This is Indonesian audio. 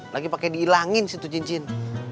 lagi pakai dihilangin situ cincin